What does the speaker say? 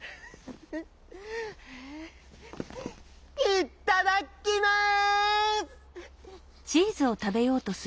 「いっただきます！」。